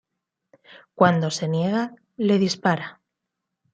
Cuando se niega, le dispara.